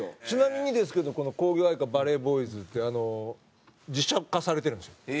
ちなみにですけどこの『工業哀歌バレーボーイズ』って実写化されてるんですよ。